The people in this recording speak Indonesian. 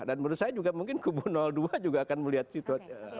dan menurut saya juga mungkin kubu dua juga akan melihat situ